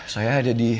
saya ada di